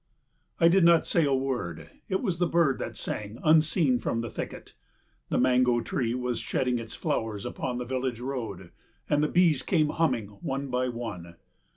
I did not say a word. It was the bird that sang unseen from the thicket. The mango tree was shedding its flowers upon the village road, and the bees came humming one by one.